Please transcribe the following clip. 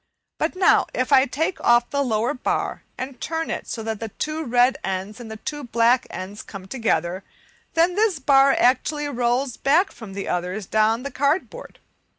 But now if I take off the lower bar and turn it (B, Fig. 21) so that two red ends and two black ends come together, then this bar actually rolls back from the others down the cardboard.